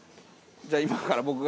じゃあ今から僕が。